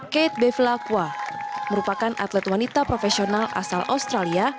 kate bevlaqua merupakan atlet wanita profesional asal australia